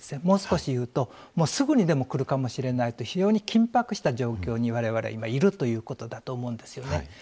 もう少し言うとすぐにでもくるかもしれないという非常に緊迫した状況にわれわれは今いるということだと思うんですよね。